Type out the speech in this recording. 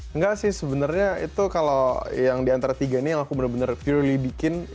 enggak sih sebenarnya itu kalau yang diantara tiga ini yang aku bener bener purely bikin